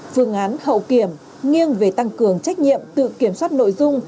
phương án hậu kiểm nghiêng về tăng cường trách nhiệm tự kiểm soát nội dung